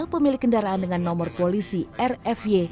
pemilik kendaraan dengan nomor polisi rfy